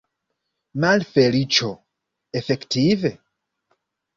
Malfeliĉo, efektive?